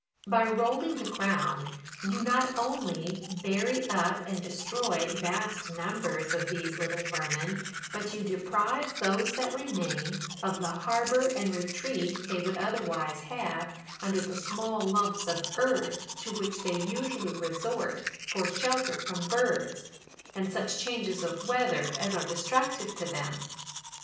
By rolling the ground, you not only bury up and destroy vast numbers of these little vermin, but you deprive those that remain of the harbour and retreat they would otherwise have, under the small lumps of earth, to which they usually resort for shelter from birds, and such changes of weather as are destructive to them.